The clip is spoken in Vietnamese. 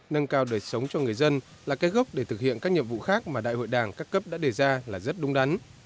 nâng cao đời sống cho người dân là cái gốc để thực hiện các nhiệm vụ khác mà đại hội đảng các cấp đã đề ra là rất đúng đắn